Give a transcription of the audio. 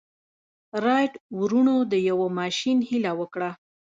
رايټ وروڼو د يوه ماشين هيله وکړه.